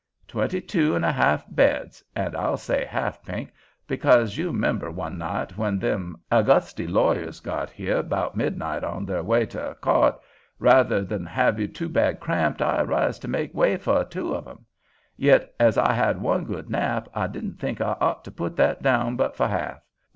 Twenty two an' a half beds—an' I say half, Pink, because you 'member one night when them A'gusty lawyers got here 'bout midnight on their way to co't, rather'n have you too bad cramped, I ris to make way for two of 'em; yit as I had one good nap, I didn't think I ought to put that down but for half.